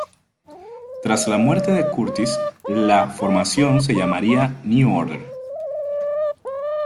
Tras la muerte de Curtis la formación se llamaría New Order.